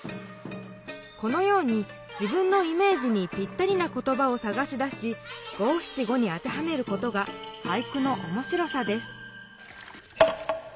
このように自分のイメージにぴったりな言ばをさがし出し「五・七・五」に当てはめることが俳句のおもしろさです